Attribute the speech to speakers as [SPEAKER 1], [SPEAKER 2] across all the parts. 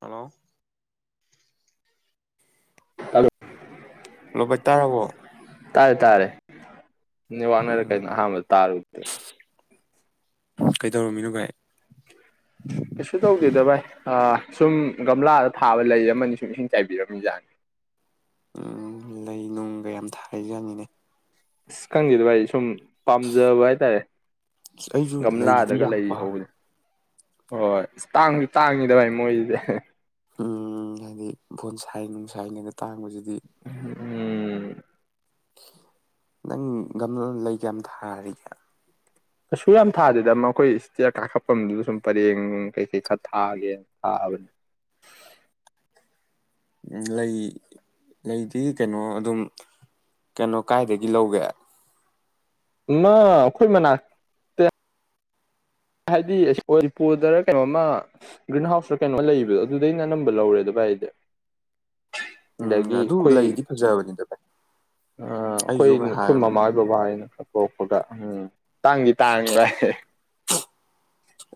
[SPEAKER 1] hello
[SPEAKER 2] [unintelligible]
[SPEAKER 1] hello ꯚꯥꯢ ꯇꯥꯔꯕꯣ
[SPEAKER 2] ꯇꯥꯔꯦ ꯇꯥꯔꯦ ꯅꯦꯠꯋꯥꯛꯅꯔꯥ
[SPEAKER 1] ꯎꯝ
[SPEAKER 2] ꯀꯩꯅꯣ ꯑꯍꯥꯟꯕ ꯇꯔꯨꯗꯦ
[SPEAKER 1] ꯀꯩꯗꯧꯔꯝꯃꯤꯅꯣ ꯚꯥꯏ
[SPEAKER 2] ꯀꯩꯁꯨ ꯇꯧꯗꯦꯗ ꯚꯥꯏ ꯑꯥ ꯁꯨꯝ ꯒꯝꯂꯥꯗ ꯊꯥꯕ ꯂꯩ ꯑꯃꯅꯤ ꯁꯨꯝ ꯏꯁꯤꯡ ꯆꯥꯏꯕꯤꯔꯝꯃꯤꯖꯥꯠꯅꯤ
[SPEAKER 1] ꯎꯝ ꯂꯩ ꯅꯨꯡꯒ ꯌꯥꯝ ꯊꯥꯔꯤꯖꯥꯠꯅꯤꯅꯦ
[SPEAKER 2] ꯑꯁ ꯈꯪꯗꯦꯗ ꯚꯥꯏ ꯁꯨꯝ ꯄꯥꯝꯖꯕ ꯍꯥꯏꯇꯥꯔꯦ
[SPEAKER 1] ꯑꯩꯖꯨ ꯂꯩꯗꯤ
[SPEAKER 2] ꯒꯝꯂꯥꯗꯒ
[SPEAKER 1] ꯌꯥꯝ
[SPEAKER 2] ꯂꯩ
[SPEAKER 1] ꯄꯥꯝꯃꯤ
[SPEAKER 2] ꯍꯧꯕꯁꯦ ꯍꯣꯏ ꯇꯥꯡꯁꯨ ꯇꯥꯡꯉꯤꯗꯚꯥꯏ ꯃꯣꯏꯖꯤꯗꯤ
[SPEAKER 1] ꯎꯝ ꯍꯥꯏꯗꯤ ꯕꯣꯟꯁꯥꯏ ꯅꯨꯡꯁꯥꯏꯒꯤꯅ ꯇꯥꯡꯕꯖꯤꯗꯤ
[SPEAKER 2] ꯎꯝ
[SPEAKER 1] [inaudible] ꯅꯪ ꯒꯝꯂꯥ ꯂꯩ ꯀ꯭ꯌꯥꯝ ꯊꯥꯔꯤꯒꯦ
[SPEAKER 2] ꯀꯩꯁꯨ ꯌꯥꯝ ꯊꯥꯗꯦꯗ ꯃꯈꯣꯏ ꯁ꯭ꯇꯤꯌꯔ ꯀꯥꯈꯠꯐꯝꯗꯨꯗ ꯁꯨꯝ ꯄꯔꯦꯡ ꯅꯨꯡ ꯀꯩꯀꯩ ꯈꯔ ꯊꯥꯒꯦꯅ ꯊꯥꯕꯅꯤ
[SPEAKER 1] ꯂꯩ ꯂꯩꯗꯤ ꯀꯩꯅꯣ ꯑꯗꯨꯝ ꯀꯩꯅꯣ ꯀꯥꯏꯗꯒꯤ ꯂꯧꯒꯦ
[SPEAKER 2] ꯑꯃꯥ ꯑꯩꯈꯣꯏ ꯃꯅꯥꯛ ꯍꯥꯏꯗꯤ ꯁꯤꯄꯣꯜꯂꯤꯄꯣꯜꯗꯔ ꯀꯩꯅꯣꯝꯃ ꯒ꯭ꯔꯤꯟ ꯍꯥꯎꯁꯇꯔ ꯀꯩꯅꯣꯝꯃꯥ ꯂꯩꯕꯗꯣ ꯑꯗꯨꯗꯩꯅ ꯑꯅꯝꯕ ꯂꯧꯔꯦꯗ ꯚꯥꯏꯗꯤ
[SPEAKER 1] ꯎꯝ
[SPEAKER 2] ꯑꯗꯒꯤ
[SPEAKER 1] ꯑꯗꯨ
[SPEAKER 2] ꯑꯩꯈꯣꯏ
[SPEAKER 1] ꯂꯩꯗꯤ ꯐꯖꯕꯅꯤꯗ ꯚꯥꯏ
[SPEAKER 2] ꯑꯥ ꯑꯩꯈꯣꯏ
[SPEAKER 1] ꯑꯩꯁꯨ
[SPEAKER 2] ꯑꯩꯈꯣꯏ
[SPEAKER 1] ꯉꯍꯥꯟ
[SPEAKER 2] ꯃꯃꯥ ꯍꯣꯏ ꯕꯕꯥ ꯍꯣꯏꯅ ꯎꯞꯄ ꯎꯞꯄꯒ ꯍꯝ ꯇꯥꯡꯗꯤ ꯇꯥꯡꯉꯦ ꯕꯥꯢ ꯍꯦ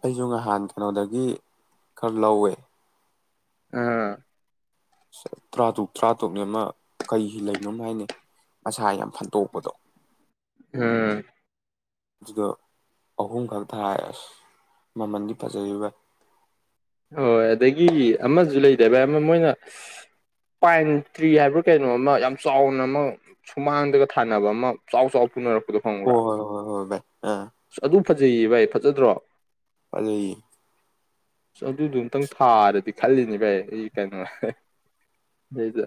[SPEAKER 1] ꯑꯩꯖꯨ ꯅꯍꯥꯟ ꯀꯩꯅꯣꯗꯒꯤ ꯈꯔ ꯂꯧꯋꯦ
[SPEAKER 2] ꯑꯥ
[SPEAKER 1] ꯇꯔꯥ ꯇꯔꯨꯛ ꯇꯔꯥ ꯇꯔꯨꯛꯅꯤ ꯑꯃ ꯀꯩꯒꯤ ꯂꯩꯅꯣ ꯑꯃ ꯍꯥꯏꯅꯦ ꯃꯁꯥ ꯌꯥꯝ ꯐꯟꯇꯣꯛꯄꯗꯣ
[SPEAKER 2] ꯎꯝ
[SPEAKER 1] ꯑꯗꯨꯗꯣ ꯑꯍꯨꯝꯈꯛ ꯊꯥꯢꯌꯦ ꯑꯁ ꯃꯃꯟꯗꯤ ꯐꯖꯩ ꯚꯥꯢ
[SPEAKER 2] ꯍꯣꯏ ꯑꯗꯒꯤ ꯑꯃꯁꯨ ꯂꯩꯗꯥꯢ ꯚꯥꯏ ꯑꯃ ꯃꯣꯏꯅ ꯄꯥꯏꯟ ꯇ꯭ꯔꯤ ꯍꯥꯏꯕ꯭ꯔ ꯀꯩꯅꯣ ꯑꯃ ꯌꯥꯝ ꯆꯥꯎꯅ ꯑꯃ ꯁꯨꯃꯥꯡꯗꯒ ꯊꯥꯅꯕ ꯑꯃ ꯆꯥꯎ ꯆꯥꯎ ꯄꯨꯅꯔꯛꯄ ꯑꯗꯨ ꯐꯪꯕ꯭ꯔ
[SPEAKER 1] ꯍꯣꯏ ꯍꯣꯏ ꯍꯣꯏ ꯍꯣꯏ ꯚꯥꯏ ꯑꯥ
[SPEAKER 2] ꯑꯗꯨ ꯐꯖꯩꯌꯦ ꯚꯥꯏ ꯐꯖꯗ꯭ꯔꯣ
[SPEAKER 1] [unintelligible]
[SPEAKER 2] ꯑꯁ ꯑꯗꯨꯗꯨ ꯑꯝꯇꯪ ꯊꯥꯔꯗꯤ ꯈꯜꯂꯤꯅꯤ ꯚꯥꯏ ꯑꯩ ꯀꯩꯅꯣ ꯑꯗꯩꯗ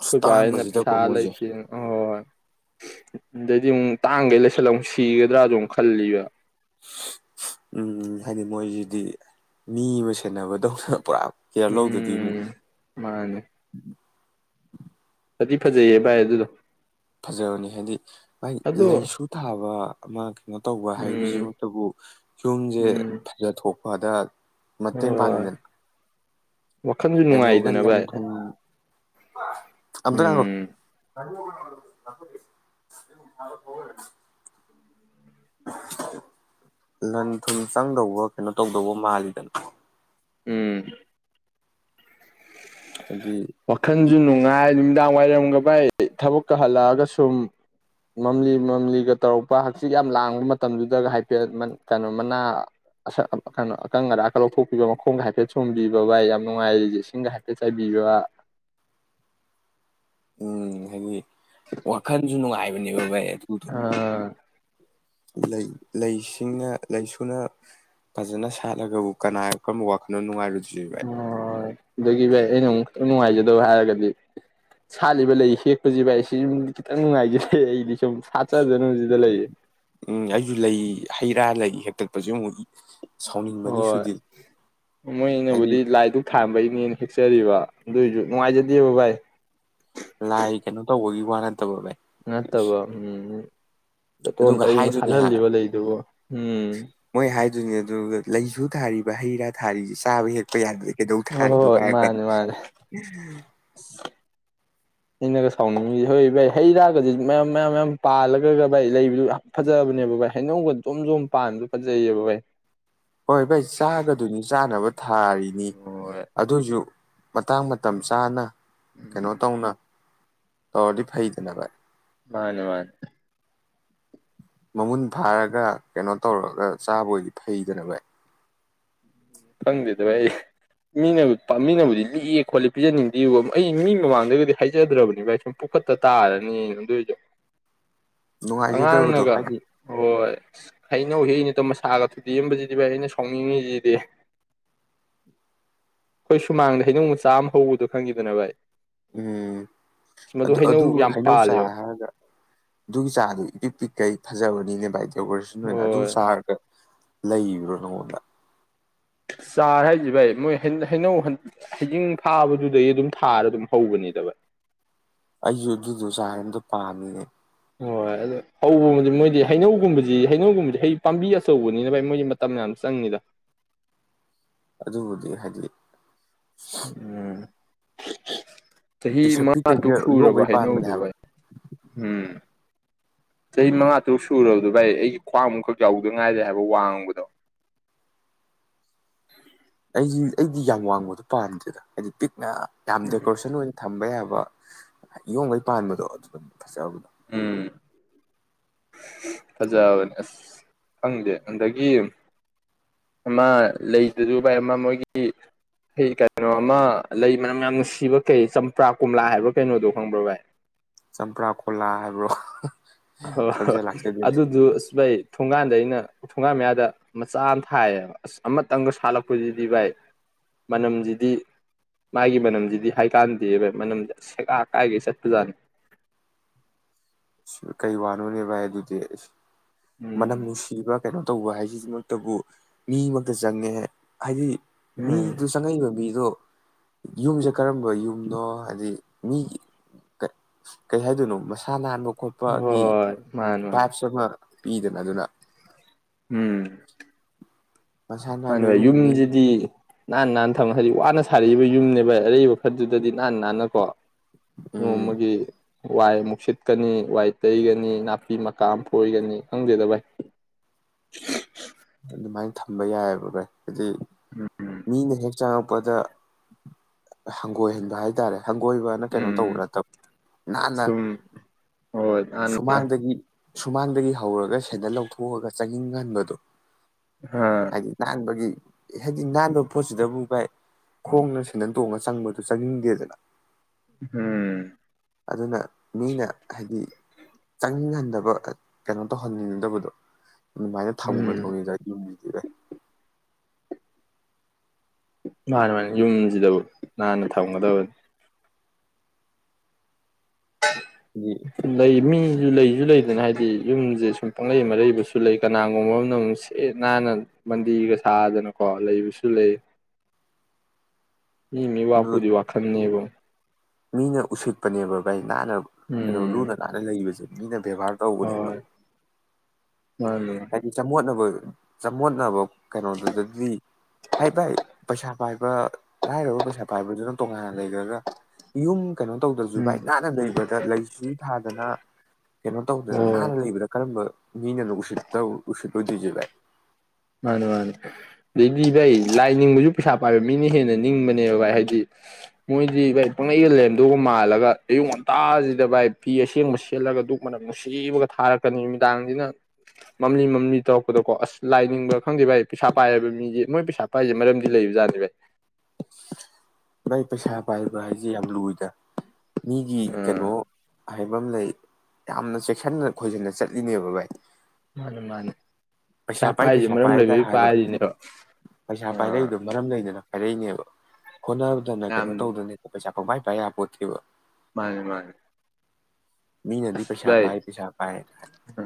[SPEAKER 1] ꯑꯁ
[SPEAKER 2] ꯑꯈꯣꯢ ꯕꯁꯤꯅ ꯄꯩꯁꯥ
[SPEAKER 1] ꯇꯥꯡꯕꯁꯤꯗꯀꯣ ꯃꯣꯏꯁꯦ
[SPEAKER 2] ꯂꯩꯇꯦꯅ ꯍꯣꯏ ꯍꯣꯢ ꯍꯣꯢ ꯑꯗꯩꯗꯤ ꯑꯃꯨꯛ ꯇꯥꯡꯒꯩ ꯂꯩꯁꯜꯂ ꯑꯃꯨꯛ ꯁꯤꯒꯗ꯭ꯔꯖꯨ ꯑꯃꯨꯛ ꯈꯜꯂꯤꯕ
[SPEAKER 1] ꯎꯝ ꯍꯥꯏꯗꯤ ꯃꯣꯏꯁꯤꯗꯤ ꯃꯤ ꯑꯃ ꯁꯦꯟꯅꯕꯗꯧꯅ ꯄꯨꯔꯥ ꯀꯦꯌꯔ ꯂꯧꯗ꯭ꯔꯥꯗꯤ ꯑꯃꯨꯛ
[SPEAKER 2] ꯎꯝ ꯃꯥꯅꯦ ꯐꯗꯤ ꯐꯖꯩꯌꯦ ꯚꯥꯏ ꯑꯗꯨꯗꯣ
[SPEAKER 1] ꯐꯖꯕꯅꯤ ꯍꯥꯏꯗꯤ ꯃꯥꯏ
[SPEAKER 2] ꯑꯗꯣ
[SPEAKER 1] ꯂꯩꯁꯨ ꯊꯥꯕ ꯑꯃ ꯀꯩꯅꯣ ꯇꯧꯕ
[SPEAKER 2] ꯎꯝ
[SPEAKER 1] ꯍꯥꯏꯕꯁꯤꯃꯛꯇꯕꯨ ꯌꯨꯝꯁꯦ
[SPEAKER 2] ꯎꯝ
[SPEAKER 1] ꯐꯖꯊꯣꯛ ꯄꯗ꯭ꯔ ꯃꯇꯦꯡ
[SPEAKER 2] ꯍꯣꯏ
[SPEAKER 1] ꯄꯥꯡꯉꯤꯗꯅ
[SPEAKER 2] ꯋꯥꯈꯜꯁꯨ ꯅꯨꯡꯉꯥꯏꯗꯅ ꯚꯥꯏ
[SPEAKER 1] ꯅꯨꯄꯥ ꯑꯝꯇ ꯉꯥꯢꯈꯣ
[SPEAKER 2] ꯎꯝ
[SPEAKER 1] ꯇꯥꯏꯉꯣꯕꯤ [unintelligible] ꯂꯟ ꯊꯨꯝ ꯆꯪꯗꯧꯕ ꯀꯩꯅꯣ ꯇꯧꯗꯧꯕ ꯃꯥꯜꯂꯤꯗꯅ
[SPEAKER 2] ꯎꯝ
[SPEAKER 1] ꯍꯥꯢꯗꯤ
[SPEAKER 2] ꯁꯤ ꯅꯨꯡꯉꯥꯏ ꯅꯨꯃꯤꯗꯥꯡ ꯋꯥꯏꯔꯝꯒ ꯚꯥꯏ ꯊꯕꯛꯀ ꯍꯜꯂꯛꯑꯒ ꯁꯨꯝ ꯃꯝꯂꯤ ꯃꯝꯂꯤꯒ ꯇꯧꯔꯛꯄ ꯍꯛꯆꯤꯠ ꯌꯥꯝ ꯂꯥꯡꯕ ꯃꯇꯝꯗꯨꯗꯒ ꯍꯥꯏꯐꯦꯠ ꯀꯩꯅꯣ ꯃꯅꯥ ꯑꯁꯪ ꯀꯩꯅꯣ ꯑꯀꯪ ꯑꯔꯥꯛꯀ ꯂꯧꯊꯣꯛꯄꯤꯕ ꯃꯈꯣꯡꯒ ꯍꯥꯏꯐꯦꯠ ꯁꯣꯝꯕꯤꯕ ꯚꯥꯏ ꯌꯥꯝ ꯅꯨꯡꯉꯥꯏ ꯑꯩꯗꯤ ꯢꯁꯤꯡꯒ ꯍꯥꯢꯐꯦꯠ ꯆꯥꯏꯕꯤꯕ
[SPEAKER 1] ꯎꯝ ꯍꯥꯢꯗꯤ ꯋꯥꯈꯟꯁꯨꯨ ꯅꯨꯉꯥꯢ ꯅꯤꯕ ꯕꯥꯢ ꯑꯗꯨꯗꯨ
[SPEAKER 2] ꯑ [inaudible]
[SPEAKER 1] ꯂꯩ ꯂꯩꯁꯤꯡꯅ ꯂꯩꯁꯨꯅ ꯐꯖꯅ ꯁꯥꯠꯂꯒꯕꯨ ꯀꯅꯥ ꯀꯔꯝꯕ ꯋꯥꯈꯜꯅ ꯅꯨꯡꯉꯥꯏꯔꯨꯗꯣꯢ [unintelligible]
[SPEAKER 2] ꯑꯗꯩꯒꯤ ꯚꯥꯏ ꯑꯩꯅ ꯑꯃꯨꯛ ꯈꯤꯇꯪ ꯅꯨꯡꯉꯥꯏꯖꯗꯕ ꯍꯥꯏꯔꯒꯗꯤ ꯁꯥꯠꯂꯤꯕ ꯂꯩ ꯍꯦꯛꯄꯖꯤ ꯚꯥꯏ ꯁꯤꯃꯥ ꯈꯤꯇꯪ ꯅꯨꯡꯉꯥꯏꯖꯗꯦ ꯑꯩꯗꯤ ꯁꯨꯝ ꯁꯥꯠꯆꯖꯅꯨ
[SPEAKER 1] ꯎꯝ ꯑꯩꯁꯨ ꯂꯩ ꯍꯩ ꯔꯥ ꯂꯩ ꯍꯦꯛꯇꯠ [unintelligible]
[SPEAKER 2] ꯍꯣꯏ
[SPEAKER 1] ꯍꯥꯏꯗꯤ
[SPEAKER 2] ꯃꯣꯏꯅꯕꯨꯗꯤ ꯂꯥꯏꯗꯨꯛ ꯊꯥꯟꯕꯩꯅꯦ ꯍꯦꯛꯆꯔꯤꯕ ꯑꯗꯨꯏꯖꯨ ꯅꯨꯡꯉꯥꯏꯖꯗꯦꯕ ꯚꯥꯏ
[SPEAKER 1] ꯂꯥꯏ ꯀꯩꯅꯣ ꯇꯧꯕꯩ ꯋꯥ ꯅꯠ
[SPEAKER 2] ꯅꯠꯇꯕ ꯎꯝ ꯆꯥꯇꯣꯟ
[SPEAKER 1] ꯑꯗꯨꯒ
[SPEAKER 2] ꯇꯧꯅ
[SPEAKER 1] ꯍꯥꯏꯗꯨꯅꯦ ꯍꯥ
[SPEAKER 2] ꯁꯥꯠꯍꯜꯂꯤꯕ ꯂꯩꯗꯨꯕꯨ ꯎꯝ
[SPEAKER 1] ꯗꯨꯅꯦ ꯑꯗꯨꯒ ꯂꯩꯁꯨ ꯊꯥꯔꯤꯕ ꯍꯩ ꯔꯥ ꯊꯥꯔꯤꯁꯤ ꯆꯥꯕ ꯍꯦꯛꯄ ꯌꯥꯗꯦ ꯀꯩꯗꯧ
[SPEAKER 2] ꯍꯣꯏ ꯍꯣꯏ
[SPEAKER 1] ꯊꯥꯔꯤꯅꯣ ꯀꯥꯏ
[SPEAKER 2] ꯍꯣꯏ ꯃꯥꯅꯦ ꯃꯥꯅꯦ
[SPEAKER 1] ꯍꯥꯢꯔꯛꯀꯅꯤ
[SPEAKER 2] ꯑꯩꯅꯒ ꯁꯥꯎꯅꯤꯡꯉꯤꯖꯤ ꯍꯣꯏ ꯚꯥꯏ ꯍꯩ ꯔꯥꯒꯁꯤ ꯃꯌꯥꯝ ꯃꯌꯥꯝ ꯃꯌꯥꯝ ꯄꯥꯜꯂꯒ ꯚꯥꯏ ꯂꯩꯕꯗꯨ ꯌꯥꯝ ꯐꯖꯕꯅꯦꯕ ꯚꯥꯏ ꯍꯩꯅꯧꯒ ꯖꯣꯝ ꯖꯣꯝ ꯄꯥꯟꯕꯗꯨ ꯐꯖꯩꯌꯦꯕ ꯚꯥꯏ
[SPEAKER 1] ꯍꯣꯏ ꯚꯥꯏ ꯆꯥꯒꯗꯣꯏꯅꯤ ꯆꯥꯅꯕ ꯊꯥꯔꯤꯅꯤ
[SPEAKER 2] ꯍꯣꯏ
[SPEAKER 1] ꯑꯗꯣꯢꯖꯨ ꯃꯇꯥꯡ ꯃꯇꯝ ꯆꯥꯅ
[SPEAKER 2] ꯎꯝ
[SPEAKER 1] ꯀꯩꯅꯣ ꯇꯧꯅ ꯇꯧꯔꯗꯤ ꯐꯩꯗꯅꯚꯥꯏ
[SPEAKER 2] ꯃꯥꯅꯦ ꯃꯥꯅꯦ
[SPEAKER 1] ꯃꯃꯨꯟ ꯐꯥꯔꯒ ꯀꯩꯅꯣ ꯇꯧꯔꯒ ꯆꯥꯕ ꯑꯣꯏꯗꯤ ꯐꯩꯗꯅ ꯚꯥꯢ
[SPEAKER 2] ꯈꯪꯗꯦꯗꯚꯥꯏ ꯑꯩ ꯃꯤꯅꯕꯨ ꯃꯤꯅꯕꯨꯗꯤ ꯂꯤꯛꯑꯦ ꯈꯣꯠꯂꯦ ꯄꯤꯖꯅꯤꯡꯗꯦꯕ ꯑꯩ ꯃꯤ ꯃꯃꯥꯡꯗꯒꯗꯤ ꯍꯥꯏꯖꯗ꯭ꯔꯥꯕꯅꯦ ꯚꯥꯏ ꯁꯨꯝ ꯄꯨꯐꯠꯇ ꯇꯥꯔꯅꯤꯅ ꯑꯗꯣꯏꯖꯨ
[SPEAKER 1] ꯅꯨꯡꯉꯥꯏꯖꯗꯕꯗꯣ
[SPEAKER 2] ꯑꯉꯥꯡꯅꯒ
[SPEAKER 1] ꯍꯥꯏꯗꯤ
[SPEAKER 2] ꯍꯣꯏ ꯍꯩꯅꯧ ꯍꯦꯛ ꯢꯅꯦ ꯇꯧ ꯃꯁꯥꯒ ꯊꯨꯗꯦꯛ ꯑꯝꯕꯖꯤꯗꯤ ꯚꯥꯏ ꯑꯩꯅ ꯁꯥꯎꯅꯤꯡꯉꯤꯖꯤꯗꯤ ꯈꯣꯢ ꯁꯨꯃꯥꯡꯗ ꯍꯩꯅꯧ ꯃꯆꯥ ꯑꯃ ꯍꯧꯕꯗꯣ ꯈꯪꯉꯤꯗꯅ ꯚꯥꯏ
[SPEAKER 1] ꯎꯝ
[SPEAKER 2] ꯑꯁ ꯃꯗꯨ
[SPEAKER 1] ꯑꯗꯨ ꯑꯗꯨ
[SPEAKER 2] ꯌꯥꯝ
[SPEAKER 1] ꯍꯩꯅꯧ ꯆꯥꯔ
[SPEAKER 2] ꯄꯥꯜꯂꯦꯕ
[SPEAKER 1] ꯍꯥꯏꯔꯒ ꯑꯗꯨ ꯆꯥꯔꯗꯨ ꯏꯄꯤꯛ ꯄꯤꯛꯈꯩ ꯐꯖꯕꯅꯤꯅꯦ ꯚꯥꯏ [unintelligible] ꯑꯗꯨ
[SPEAKER 2] ꯍꯣꯏ
[SPEAKER 1] ꯆꯥꯔꯒ ꯂꯩꯔꯤꯔꯣ ꯅꯪꯉꯣꯟꯗ
[SPEAKER 2] ꯆꯥꯔ ꯍꯥꯏꯁꯤ ꯚꯥꯏ ꯃꯣꯏ ꯍꯩꯅꯧ ꯍꯩꯖꯤꯡ ꯐꯥꯕꯗꯨꯗꯒꯤ ꯑꯗꯨꯝ ꯊꯥꯔ ꯑꯗꯨꯝ ꯍꯧꯕꯅꯤꯗ ꯚꯥꯏ
[SPEAKER 1] ꯑꯩꯖꯨ ꯑꯗꯨꯗꯣ ꯆꯥꯔ ꯑꯝꯇ ꯄꯥꯝꯃꯤꯅꯦ
[SPEAKER 2] ꯍꯣꯏ ꯑꯗꯨ ꯍꯧꯕꯗꯤ ꯃꯣꯏꯗꯤ ꯍꯩꯅꯧꯒꯨꯝꯕꯁꯤ ꯍꯩꯅꯧꯒꯨꯝꯕꯁꯤ ꯍꯩ ꯄꯥꯝꯕꯤ ꯑꯆꯧꯕꯅꯤꯅ ꯚꯥꯏ ꯃꯣꯏꯗꯤ ꯃꯇꯝ ꯌꯥꯝ ꯆꯪꯉꯤꯗ
[SPEAKER 1] ꯑꯗꯨꯕꯨꯗꯤ ꯍꯥꯏꯗꯤ
[SPEAKER 2] ꯎꯝ [inaudible] ꯆꯍꯤ
[SPEAKER 1] ꯄꯤꯁꯛ
[SPEAKER 2] ꯃꯉꯥ
[SPEAKER 1] ꯄꯤꯛꯀꯩꯗ
[SPEAKER 2] ꯇꯨꯛ ꯁꯨꯔꯕ
[SPEAKER 1] ꯌꯣꯡꯈꯩ ꯄꯥꯟꯕꯅꯦ
[SPEAKER 2] ꯍꯩꯅꯧꯗꯨ
[SPEAKER 1] ꯍꯥꯏꯕ
[SPEAKER 2] ꯚꯥꯢ ꯎꯝ ꯆꯍꯤ ꯃꯉꯥ ꯇꯔꯨꯛ ꯁꯨꯔꯕꯗꯣ ꯚꯥꯏ ꯑꯩꯒꯤ ꯈ꯭ꯋꯥꯡ ꯃꯨꯛꯈꯛ ꯆꯥꯎꯕꯗ ꯉꯥꯏꯔꯤ ꯍꯥꯏꯕ ꯋꯥꯡꯕꯗꯣ
[SPEAKER 1] ꯑꯩꯗꯤ ꯑꯩꯗꯤ ꯌꯥꯝ ꯋꯥꯡꯕꯗꯣ ꯄꯥꯝꯗꯦꯗ ꯍꯥꯏꯗꯤ ꯄꯤꯛ ꯌꯥꯝ ꯌꯥꯝ ꯗꯦꯀꯣꯔꯁꯟ ꯑꯣꯏꯅ ꯊꯝꯕ ꯌꯥꯕ ꯌꯣꯝꯒꯩ ꯄꯥꯟꯕꯗꯣ ꯑꯗꯨ ꯐꯖꯕ
[SPEAKER 2] ꯎꯝ ꯐꯖꯕꯅꯦ ꯑꯁ ꯈꯪꯗꯦ ꯑꯗꯒꯤ ꯑꯃ ꯂꯩꯗꯨꯁꯨ ꯚꯥꯏ ꯑꯃ ꯃꯣꯏꯒꯤ ꯍꯩ ꯀꯩꯅꯣ ꯑꯃ ꯂꯩ ꯃꯅꯝ ꯌꯥꯝ ꯅꯨꯡꯁꯤꯕ ꯀꯩ ꯆꯝꯄ꯭ꯔꯥ ꯀꯣꯝꯂꯥ ꯍꯥꯏꯕ ꯀꯩꯅꯣꯗꯣ ꯈꯪꯕ꯭ꯔꯣ ꯚꯥꯏ
[SPEAKER 1] ꯆꯝꯄ꯭ꯔꯥ ꯀꯣꯂꯥ ꯍꯥꯏꯕ꯭ꯔꯣ
[SPEAKER 2] ꯍꯥ ꯍꯥ
[SPEAKER 1] ꯈꯪꯖ ꯂꯥꯛꯆꯗꯦꯅꯦ
[SPEAKER 2] ꯑꯗꯨꯗꯨ ꯑꯁ ꯚꯥꯏ ꯊꯣꯡꯒꯥꯟꯗ ꯑꯩꯅ ꯊꯣꯡꯒꯥꯟ ꯃꯌꯥꯗ ꯃꯆꯥ ꯑꯃ ꯊꯥꯏꯌꯦꯕ ꯑꯁ ꯑꯃꯇꯪꯒ ꯁꯥꯠꯂꯛꯄꯖꯤꯗꯤ ꯚꯥꯏ ꯃꯅꯝꯖꯤꯗꯤ ꯃꯥꯒꯤ ꯃꯅꯝꯁꯤꯗꯤ ꯍꯥꯏꯀꯥꯟꯗꯦ ꯚꯥꯏ ꯃꯅꯝꯗꯤ ꯑꯁ ꯁꯦꯒꯥꯥꯛ ꯀꯥꯏꯒꯩ ꯆꯠꯄꯖꯥꯠꯅꯤ
[SPEAKER 1] ꯀꯩ ꯋꯥꯅꯣꯅꯦꯚꯥꯏ ꯑꯗꯨꯗꯤ ꯃꯅꯝ
[SPEAKER 2] ꯎꯝ
[SPEAKER 1] ꯅꯨꯡꯁꯤꯕ ꯀꯩꯅꯣ ꯇꯧꯕ ꯍꯥꯏꯁꯤꯃꯛꯇꯕꯨ ꯃꯤꯃꯛꯇ ꯆꯪꯉꯦ ꯍꯥꯏꯗꯤ
[SPEAKER 2] ꯎꯝ
[SPEAKER 1] ꯃꯤꯗꯨ ꯆꯪꯉꯛꯏꯕ ꯃꯤꯗꯣ ꯌꯨꯝꯖꯦ ꯀꯔꯝꯕ ꯌꯨꯝꯅꯣ ꯍꯥꯏꯗꯤ ꯃꯤ ꯀꯩ ꯍꯥꯏꯗꯣꯏꯅꯣ ꯃꯁꯥ ꯅꯥꯟꯕ ꯈꯣꯠꯄꯥꯒꯤ
[SPEAKER 2] ꯍꯣꯏ ꯃꯥꯅꯤ ꯃꯥꯅꯤ
[SPEAKER 1] ꯚꯥꯏꯞꯁ ꯑꯃ ꯄꯤꯗꯅꯗꯨꯅ
[SPEAKER 2] ꯎꯝ
[SPEAKER 1] ꯃꯁꯥ
[SPEAKER 2] ꯃꯥꯅꯦ
[SPEAKER 1] ꯅꯥꯟꯕ
[SPEAKER 2] ꯚꯥꯏ
[SPEAKER 1] ꯏꯃꯨꯡꯅꯤ
[SPEAKER 2] ꯌꯨꯝꯖꯤꯗꯤ ꯅꯥꯟꯅ ꯅꯥꯟꯅ ꯊꯝꯃ ꯍꯥꯏꯗꯤ ꯋꯥꯅ ꯁꯥꯔꯛꯏꯕ ꯌꯨꯝꯅꯦꯕ ꯑꯔꯩꯕ ꯈꯔꯗꯨꯗꯗꯤ ꯅꯥꯟꯅ ꯅꯥꯟꯅꯀꯣ
[SPEAKER 1] ꯎꯝ
[SPEAKER 2] ꯅꯣꯡꯃꯒꯤ ꯋꯥꯏ ꯑꯃꯨꯛ ꯁꯤꯠꯀꯅꯤ ꯋꯥꯏ ꯇꯩꯒꯅꯤ ꯅꯥꯄꯤ ꯃꯀꯥ ꯑꯝ ꯐꯣꯏꯒꯅꯤ ꯈꯪꯗꯦꯗ ꯚꯥꯢ
[SPEAKER 1] ꯑꯗꯨꯃꯥꯏꯅ ꯊꯝꯕ ꯌꯥꯏꯑꯦꯕ ꯚꯥꯢ ꯍꯥꯏꯗꯤ
[SPEAKER 2] ꯎꯝ
[SPEAKER 1] ꯃꯤꯅ ꯍꯦꯛ ꯆꯪꯉꯛꯄꯗ ꯍꯪꯒꯣꯏꯍꯟꯕ ꯍꯥꯏꯇꯥꯔꯦ ꯍꯪꯒꯣꯏꯕꯅ ꯀꯩꯅꯣ ꯇꯧꯕ
[SPEAKER 2] ꯎꯝ
[SPEAKER 1] ꯅꯠꯇꯕ ꯅꯥꯟꯅ
[SPEAKER 2] ꯁꯨꯝ ꯍꯣꯏ ꯅꯥꯟꯅ
[SPEAKER 1] ꯁꯨꯃꯥꯡꯗꯒꯤ ꯁꯨꯃꯥꯡꯗꯒꯤ ꯍꯧꯔꯒ ꯁꯦꯟꯗꯜ ꯂꯧꯊꯣꯛꯑꯒ ꯆꯪ ꯆꯪꯅꯤꯡꯍꯟꯕꯗꯣ
[SPEAKER 2] ꯑꯥ
[SPEAKER 1] ꯍꯥꯏꯗꯤ ꯅꯥꯟꯕꯒꯤ ꯍꯥꯏꯗꯤ ꯅꯥꯟꯕ ꯄꯣꯠꯁꯤꯗꯕꯨ ꯚꯥꯏ ꯈꯣꯡꯅ ꯁꯦꯟꯗꯟ ꯇꯣꯡꯉꯥ ꯆꯪꯕꯗꯨ ꯆꯪꯅꯤꯡꯗꯦꯗꯅ
[SPEAKER 2] ꯎꯝ
[SPEAKER 1] ꯑꯗꯨꯅ ꯃꯤꯅ ꯍꯥꯏꯗꯤ ꯍꯟꯗꯕ ꯀꯩꯅꯣ ꯇꯧꯍꯟꯅꯤꯡꯗꯕꯗꯣ ꯑꯗꯨꯃꯥꯏꯅ ꯊꯝꯒ
[SPEAKER 2] ꯎꯝ
[SPEAKER 1] ꯗꯧꯅꯤꯗ ꯌꯨꯝꯖꯤꯗꯤ ꯚꯥꯢ
[SPEAKER 2] ꯃꯥꯅꯤ ꯃꯥꯅꯤ ꯌꯨꯝ ꯌꯨꯝꯖꯤꯗꯕꯨ ꯅꯥꯟꯅ ꯊꯝꯒꯗꯕꯅꯤ
[SPEAKER 1] ꯍꯥꯏꯗꯤ
[SPEAKER 2] ꯂꯩ ꯃꯤ ꯂꯩꯁꯨ ꯂꯩꯗꯅ ꯍꯥꯏꯗꯤ ꯌꯨꯝꯖꯦ ꯁꯨꯝ ꯄꯪꯂꯩ ꯃꯔꯩꯕꯁꯨ ꯂꯩ ꯀꯅꯥꯒꯨꯝꯕ ꯑꯃꯅ ꯃꯨꯛ ꯁꯤꯠ ꯅꯥꯟꯅ ꯃꯟꯗꯤꯔꯒ ꯁꯥꯗꯅꯀꯣ ꯂꯩꯕꯁꯨ ꯂꯩ ꯃꯤ ꯃꯤ
[SPEAKER 1] ꯑꯗꯨ
[SPEAKER 2] ꯋꯥꯄꯨꯗꯤ ꯋꯥꯈꯟꯅꯦꯕꯨ
[SPEAKER 1] ꯃꯤꯅ ꯎꯁꯤꯠꯄꯅꯦꯕ ꯚꯥꯏ ꯅꯥꯟꯅ
[SPEAKER 2] ꯎꯝ
[SPEAKER 1] ꯂꯨꯅ ꯅꯥꯟꯅ ꯂꯩꯕꯁꯦ ꯃꯤꯅꯝ ꯕꯦꯚꯥꯔ ꯇꯧꯕꯅꯦꯕ
[SPEAKER 2] ꯍꯣꯏ ꯃꯥꯅꯤ
[SPEAKER 1] ꯍꯥꯏꯗꯤ ꯆꯃꯣꯠꯅꯕ ꯆꯃꯣꯠꯅꯕ ꯀꯩꯅꯣꯗꯨꯗꯗꯤ ꯍꯥꯏ ꯕꯥꯏ ꯄꯩꯁꯥ ꯄꯥꯏꯕ ꯂꯥꯏꯔꯕ ꯄꯩꯁꯥ ꯄꯥꯏꯕꯗꯨꯅ ꯇꯣꯉꯥꯟꯅ ꯂꯩꯒ꯭ꯔꯒ ꯌꯨꯝ ꯀꯩꯅꯣꯝ ꯇꯧꯗ꯭ꯔꯁꯨ
[SPEAKER 2] ꯎꯝ
[SPEAKER 1] ꯚꯥꯏ ꯅꯥꯟꯅ ꯂꯩꯕꯗ ꯂꯩꯁꯨ ꯊꯥ ꯗꯅ ꯀꯩꯅꯣ ꯇꯧꯗꯅ
[SPEAKER 2] ꯍꯣꯏ
[SPEAKER 1] ꯅꯥꯟꯅ ꯂꯩꯕꯗ ꯀꯔꯝꯕ ꯃꯤꯅꯒ ꯎꯁꯤꯠ ꯇꯧ ꯎꯁꯤꯠꯂꯣꯏꯗꯣꯏꯖꯦ ꯕꯥꯏ
[SPEAKER 2] ꯃꯥꯅꯦ ꯃꯥꯅꯦ ꯂꯩꯕꯤꯗ꯭ꯔꯦ ꯂꯥꯏ ꯅꯤꯡꯕꯁꯨ ꯄꯩꯁꯥ ꯄꯥꯏꯕ ꯃꯤꯅ ꯍꯦꯟꯅ ꯅꯤꯡꯕꯅꯦꯕ ꯚꯥꯏ ꯍꯥꯏꯗꯤ ꯃꯣꯏꯗꯤ ꯚꯥꯏ ꯄꯪꯂꯩꯗ ꯂꯦꯔꯝꯗꯧꯒ ꯃꯥꯜꯂꯒ ꯑꯌꯨꯛ ꯉꯟꯇꯥꯁꯤꯗ ꯚꯥꯏ ꯐꯤ ꯑꯁꯦꯡꯕ ꯁꯦꯠꯂꯒ ꯗꯨꯛ ꯃꯅꯛ ꯅꯨꯡꯁꯤꯕꯒ ꯊꯥꯔꯛꯀꯅꯤ ꯅꯨꯃꯤꯗꯥꯡꯁꯤꯅ ꯃꯝꯂꯤ ꯃꯝꯂꯤ ꯇꯧꯔꯛꯄꯗꯀꯣ ꯑꯁ ꯂꯥꯏ ꯈꯪꯅꯤꯡꯕ ꯈꯪꯗꯦ ꯚꯥꯏ ꯄꯩꯁꯥ ꯄꯥꯏꯔꯕ ꯃꯤꯗꯤ ꯃꯣꯏ ꯄꯩꯁꯥ ꯄꯥꯏꯁꯦ ꯃꯔꯝꯗꯤ ꯂꯩꯕ ꯖꯥꯠꯅꯤ ꯚꯥꯏ
[SPEAKER 1] ꯚꯥꯏ ꯄꯩꯁꯥ ꯄꯥꯏꯕ ꯍꯥꯏꯁꯦ ꯌꯥꯝ ꯂꯨꯏꯗ ꯃꯤꯒꯤ
[SPEAKER 2] ꯑꯥ
[SPEAKER 1] ꯀꯩꯅꯣ ꯍꯥꯏꯕ ꯑꯃ ꯂꯩ ꯌꯥꯝꯅ ꯆꯦꯛꯁꯟꯅ ꯈꯣꯏꯖꯟꯅ ꯆꯠꯂꯤꯅꯦꯕ ꯚꯥꯏ
[SPEAKER 2] ꯃꯥꯅꯦ ꯃꯥꯅꯦ
[SPEAKER 1] ꯄꯩꯁꯥ ꯄꯥꯏ ꯄꯩꯁꯥ ꯄꯥꯏꯗ ꯍꯥꯏꯕ ꯄꯩꯁꯥ
[SPEAKER 2] ꯑꯥ
[SPEAKER 1] ꯄꯥꯏꯔꯛꯏꯗꯣ ꯃꯔꯝ ꯂꯩꯗꯅ ꯑꯔꯩꯅꯦꯕ ꯍꯣꯠꯅꯕꯗꯨꯅ
[SPEAKER 2] ꯌꯥꯝ
[SPEAKER 1] ꯀꯩꯅꯣ ꯇꯧꯗꯅꯦꯕ ꯄꯩꯁꯥ ꯥꯄꯪꯄꯥꯏ ꯄꯥꯏ ꯌꯥꯄꯣꯠꯇꯦꯕ
[SPEAKER 2] ꯃꯥꯅꯦ ꯃꯥꯅꯦ
[SPEAKER 1] ꯃꯤꯅꯗꯤ
[SPEAKER 2] ꯑꯁ
[SPEAKER 1] ꯄꯩꯁꯥ
[SPEAKER 2] ꯚꯥꯏ
[SPEAKER 1] ꯄꯥꯏ ꯄꯩꯁꯥ ꯄꯥꯏ
[SPEAKER 2] ꯑ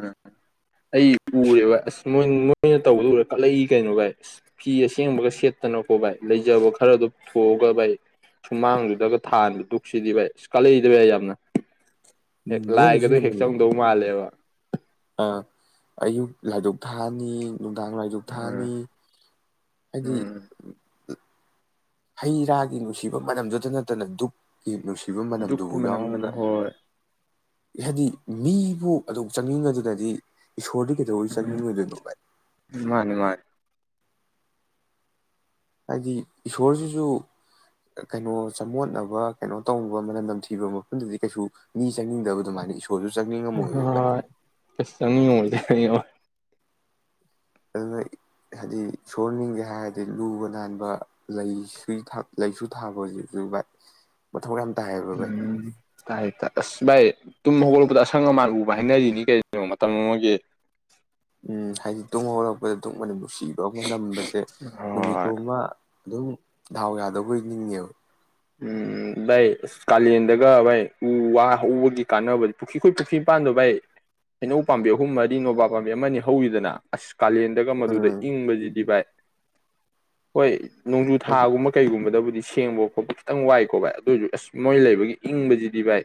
[SPEAKER 2] ꯑꯩ ꯎꯔꯦꯕ ꯑꯁ ꯃꯣꯏ ꯃꯣꯏꯅ ꯇꯧꯕꯗꯣ ꯎꯔꯒ ꯀꯜꯂꯛꯏ ꯀꯩꯅꯣ ꯚꯥꯏ ꯏꯁ ꯐꯤ ꯑꯁꯦꯡꯕꯒ ꯁꯦꯠꯇꯅꯀꯣ ꯚꯥꯏ ꯂꯩꯖꯕ ꯈꯔꯗꯣ ꯄꯨꯊꯣꯛꯑꯒ ꯚꯥꯏ ꯁꯨꯃꯥꯡꯗꯨꯗꯒ ꯊꯥꯟꯕ ꯗꯨꯛꯁꯤꯗꯤ ꯚꯥꯏ ꯑꯁ ꯀꯜꯂꯛꯏꯗꯕ ꯚꯥꯏ ꯌꯥꯝꯅ ꯍꯦꯛ ꯂꯥꯏꯒꯗꯨ ꯍꯦꯛ ꯆꯪꯗꯧ ꯃꯥꯜꯂꯦꯕ
[SPEAKER 1] ꯑꯥ ꯑꯌꯨꯛ ꯂꯥꯏꯗꯨꯛ ꯊꯥꯅꯤ ꯅꯨꯡꯗꯥꯡ ꯂꯥꯏꯗꯨꯛ
[SPEAKER 2] ꯎꯝ
[SPEAKER 1] ꯊꯥꯅꯤ ꯍꯥꯏꯗꯤ
[SPEAKER 2] ꯎꯝ
[SPEAKER 1] ꯍꯩꯔꯥꯒꯤ ꯅꯨꯡꯁꯤꯕ ꯃꯅꯝꯗꯨꯇ ꯅꯠꯇꯅ ꯗꯨꯛꯀꯤ ꯅꯨꯡꯁꯤ
[SPEAKER 2] ꯗꯨꯛꯀꯤ ꯃꯅꯝ ꯃ ꯍꯣꯏ
[SPEAKER 1] ꯍꯥꯏꯗꯤ ꯃꯤꯕꯨ ꯑꯗꯨꯛ ꯆꯪꯅꯤꯡꯉꯗꯨꯅꯗꯤ ꯏꯁꯣꯔꯗꯤ ꯀꯩꯗꯧꯕꯩ
[SPEAKER 2] ꯎꯝ
[SPEAKER 1] ꯆꯪꯅꯤꯡꯉꯣꯏꯗꯨꯅꯣ ꯚꯥꯏ
[SPEAKER 2] ꯃꯥꯅꯤ ꯃꯥꯅꯤ
[SPEAKER 1] ꯍꯥꯏꯗꯤ ꯏꯁꯣꯔꯁꯤꯁꯨ ꯀꯩꯅꯣ ꯆꯃꯣꯠꯅꯕ ꯀꯩꯅꯣ ꯇꯧꯕ ꯃꯅꯝ ꯅꯝꯊꯤꯕ ꯃꯐꯝꯗꯗꯤ ꯀꯩꯁꯨ ꯃꯤ ꯆꯪꯅꯤꯡꯗꯕ ꯑꯗꯨꯃꯥꯏꯅ ꯢ
[SPEAKER 2] ꯑꯥ ꯑꯁ ꯆꯪꯅꯤꯡꯉꯝꯃꯣꯏꯕ ꯈꯪꯉꯦꯕ
[SPEAKER 1] ꯑꯗꯨꯅ ꯍꯥꯏꯗꯤ ꯏꯁꯣꯔ ꯅꯤꯡꯒꯦ ꯍꯥꯏꯔꯗꯤ ꯂꯨꯕ ꯅꯥꯟꯕ ꯂꯩꯁꯨ ꯂꯩꯁꯨ ꯊꯥꯕ ꯍꯧꯖꯤꯛꯖꯨ ꯚꯥꯏ ꯃꯊꯧ ꯌꯥꯝ ꯇꯥꯏꯌꯦꯕ ꯚꯥꯏ
[SPEAKER 2] ꯎꯝ ꯇꯥꯏ ꯇ ꯑꯁ ꯚꯥꯏ ꯇꯨꯝ ꯍꯧꯒꯠꯂꯛꯄꯗ ꯑꯁꯪ ꯑꯃꯥꯟ ꯎꯕ ꯍꯥꯏꯅꯔꯤꯅꯤ ꯀꯩꯅꯣ ꯃꯇꯝ ꯑꯃꯒꯤ
[SPEAKER 1] ꯎꯝ ꯍꯥꯏꯗꯤ ꯇꯨꯝ ꯍꯧꯔꯛꯄꯗ ꯗꯨꯨꯛ ꯃꯅꯝ ꯅꯨꯡꯁꯤꯕ ꯑꯃ ꯅꯝꯕꯁꯦ
[SPEAKER 2] ꯍꯣꯏ
[SPEAKER 1] ꯅꯨꯃꯤꯠꯇꯣꯃ ꯑꯗꯨꯝ ꯗꯥꯥꯎ ꯌꯥꯗꯧꯕ ꯅꯤꯡꯉꯦꯕ
[SPEAKER 2] ꯎꯝ ꯚꯥꯏ ꯑꯁ ꯀꯥꯂꯦꯟꯗꯒ ꯚꯥꯏ ꯎ ꯋꯥ ꯍꯧꯕꯒꯤ ꯀꯥꯟꯅꯕ ꯄꯨꯈꯤ ꯑꯩꯈꯣꯏ ꯄꯨꯈ꯭ꯔꯤ ꯃꯄꯥꯟꯗꯣ ꯚꯥꯏ ꯍꯩꯅꯧ ꯄꯥꯝꯕꯤ ꯑꯍꯨꯝ ꯃꯔꯤ ꯅꯣꯕꯥꯞ ꯄꯥꯝꯕꯤ ꯑꯃꯅꯤ ꯍꯧꯋꯤꯗꯅ ꯑꯁ ꯀꯥꯂꯦꯟꯗꯒ ꯃꯗꯨꯗ
[SPEAKER 1] ꯎꯝ
[SPEAKER 2] ꯏꯪꯕꯖꯤꯗꯤ ꯚꯥꯏ ꯍꯣꯏ ꯅꯣꯡꯖꯨ
[SPEAKER 1] ꯍꯥꯏꯗꯤ
[SPEAKER 2] ꯊꯥꯒꯨꯝꯕ ꯀꯩꯒꯨꯝꯕꯗꯕꯨ ꯗꯤ ꯁꯦꯡꯕ ꯈꯣꯠꯄ ꯈꯤꯇꯪ ꯋꯥꯏꯀꯣ ꯚꯥꯏ ꯑꯗꯣꯏꯁꯨ ꯑꯁ ꯃꯣꯏ ꯂꯩꯕꯒꯤ ꯏꯪꯕꯖꯤꯗꯤ ꯚꯥꯏ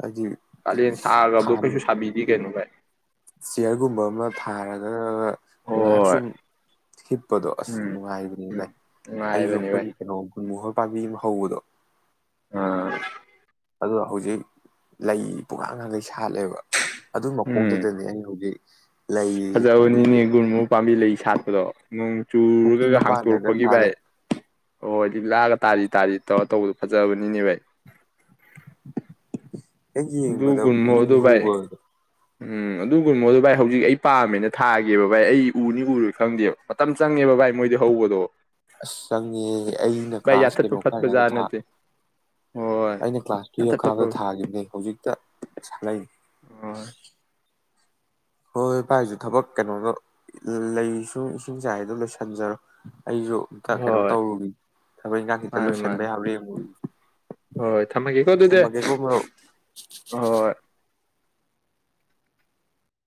[SPEAKER 1] ꯍꯥꯏꯗꯤ
[SPEAKER 2] ꯀꯥꯂꯦꯟ ꯁꯥꯒꯔꯥꯕꯗꯣ
[SPEAKER 1] ꯐꯥꯟ
[SPEAKER 2] ꯀꯩꯁꯨ ꯁꯥꯕꯤꯗꯦ ꯀꯩꯅꯣꯚꯥꯏ
[SPEAKER 1] ꯆꯤꯌꯔꯒꯨꯝꯕ ꯑꯃ ꯊꯥꯔꯒꯒ ꯉꯥꯍꯥꯛ
[SPEAKER 2] ꯍꯣꯏ
[SPEAKER 1] ꯁꯨꯨꯝ ꯍꯤꯞꯄꯗꯣ ꯑꯁ
[SPEAKER 2] ꯎꯝ
[SPEAKER 1] ꯅꯨꯡꯉꯥꯏꯕꯅꯦ
[SPEAKER 2] ꯎꯝ
[SPEAKER 1] ꯚꯥꯏ ꯑꯩꯖꯨ
[SPEAKER 2] ꯅꯨꯡꯉꯥꯏꯕꯅꯤ ꯚꯥꯏ
[SPEAKER 1] ꯑꯩꯈꯣꯏꯒꯤ ꯀꯩꯅꯣ ꯒꯨꯟꯃꯣꯍꯣꯔ ꯄꯥꯝꯕꯤ ꯑꯃ ꯍꯧꯕꯗꯣ
[SPEAKER 2] ꯑꯥ
[SPEAKER 1] ꯑꯗꯨꯗꯣ ꯍꯧꯖꯤꯛ ꯂꯩ ꯄꯨꯡꯉꯥꯡ ꯉꯥꯡꯒꯩ ꯁꯥꯠꯂꯦꯕ ꯑꯗꯨ
[SPEAKER 2] ꯎꯝ
[SPEAKER 1] ꯃꯈꯣꯡꯗꯨꯗꯅꯤ ꯑꯩ ꯍꯧꯖꯤꯛ ꯂꯩꯔꯤꯖꯦ ꯍꯥꯏꯗꯤ
[SPEAKER 2] ꯐꯖꯕꯅꯤꯅꯦ ꯒꯨꯔꯃꯨ ꯄꯥꯝꯕꯤ ꯂꯩ ꯁꯥꯠꯄꯗꯣ ꯅꯨꯡ
[SPEAKER 1] ꯄꯨꯈ꯭ꯔꯤ
[SPEAKER 2] ꯆꯨꯔꯨꯔꯒ
[SPEAKER 1] ꯃꯄꯥꯟꯗꯒ
[SPEAKER 2] ꯍꯥꯡꯇꯣꯔꯛꯄꯒꯤ ꯚꯥꯏ
[SPEAKER 1] ꯁꯥꯠꯂꯦ
[SPEAKER 2] ꯑꯣ ꯂꯤꯛꯂꯥꯒ ꯇꯥꯔꯤ ꯇꯥꯔꯤ ꯇꯧꯔ ꯇꯧꯕꯗꯣ ꯐꯖꯥꯕꯅꯤꯅꯦ ꯕꯥꯏ
[SPEAKER 1] ꯍꯦꯛ
[SPEAKER 2] ꯑꯗꯨ
[SPEAKER 1] ꯌꯦꯡꯕꯗ
[SPEAKER 2] ꯒꯨꯟꯃꯣ
[SPEAKER 1] ꯄꯨꯅꯤꯡ
[SPEAKER 2] ꯑꯗꯨ ꯚꯥꯏ
[SPEAKER 1] ꯍꯨꯕꯗꯣ
[SPEAKER 2] ꯎꯝ ꯑꯗꯨꯒꯨꯔꯃꯣꯍꯣꯔꯗꯣ ꯚꯥꯏ ꯍꯧꯖꯤꯛ ꯑꯩ ꯄꯥꯝꯃꯦꯅꯦ ꯊꯥꯒꯦꯕ ꯚꯥꯏ ꯑꯩ ꯎꯅꯤ ꯎꯔꯣꯏ ꯈꯪꯗꯦꯕ ꯃꯇꯝ ꯆꯪꯉꯦꯕ ꯚꯥꯏ ꯃꯣꯏꯗꯤ ꯍꯧꯕꯗꯣ
[SPEAKER 1] ꯑꯁ ꯆꯪꯉꯦ ꯑꯩꯅ
[SPEAKER 2] ꯚꯥꯏ
[SPEAKER 1] ꯀ꯭ꯂꯥꯁ
[SPEAKER 2] ꯌꯥꯟꯊꯠꯄ
[SPEAKER 1] ꯀꯩꯅꯣ
[SPEAKER 2] ꯐꯠꯄ
[SPEAKER 1] ꯀꯔꯤꯉꯥꯏꯗ
[SPEAKER 2] ꯖꯥꯠ
[SPEAKER 1] ꯊꯥ
[SPEAKER 2] ꯅꯠꯇꯦ ꯍꯣꯏ
[SPEAKER 1] ꯑꯩꯅ ꯀ꯭ꯂꯥꯁ ꯇꯨꯌꯦꯜꯞ
[SPEAKER 2] ꯌꯥꯟꯊꯠꯄ
[SPEAKER 1] ꯀꯥꯕꯗ ꯊꯥꯒꯤꯕꯅꯦ ꯍꯧꯖꯤꯛꯇ ꯁꯥꯠꯂꯩ [inaudible]
[SPEAKER 2] ꯍꯣꯏ
[SPEAKER 1] ꯍꯣꯏ ꯍꯣꯏ ꯚꯥꯢ ꯍꯧꯖꯤꯛ ꯊꯕꯛ ꯀꯩꯅꯣꯗꯣ ꯂꯩ ꯁꯨ ꯏꯁꯤꯡ ꯆꯥꯏꯒꯗꯧꯗꯣ ꯂꯣꯏꯁꯤꯟꯖꯔꯣ ꯑꯩꯁꯨ ꯈ ꯀꯩꯅꯣ
[SPEAKER 2] ꯍꯣꯏ
[SPEAKER 1] ꯇꯧꯔꯨꯒꯤ ꯊꯕꯛ ꯏꯟꯈꯥꯡ ꯈꯤꯛꯇ
[SPEAKER 2] ꯃꯥꯅꯦ
[SPEAKER 1] ꯂꯣꯏꯁꯤꯟꯕ
[SPEAKER 2] ꯃꯥꯅꯦ
[SPEAKER 1] ꯌꯥꯕꯔꯥ ꯌꯦꯡꯉꯨꯒꯤꯒꯦ
[SPEAKER 2] ꯍꯣꯏ ꯊꯝꯃꯒꯦꯀꯣ ꯑꯗꯨꯗꯤ
[SPEAKER 1] ꯊꯝꯃꯒꯦꯀꯣ ꯃꯔꯨꯞ
[SPEAKER 2] ꯍꯣꯏ